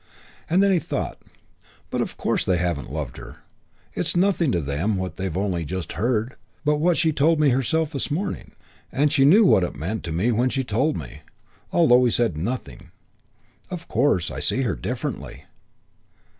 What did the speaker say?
And then he thought, "But of course they haven't loved her. It's nothing to them what they've only just heard, but what she told me herself this morning.... And she knew what it meant to me when she told me.... Although we said nothing. Of course I see her differently."